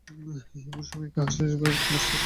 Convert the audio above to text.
এমন সময়ে খাঁ সাহেব আসিয়া এক মস্ত সেলাম করিল।